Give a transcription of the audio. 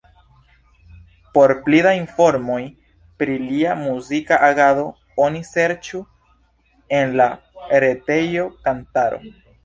Por pli da informoj pri lia muzika agado, oni serĉu en la retejo Kantaro.